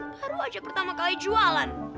baru aja pertama kali jualan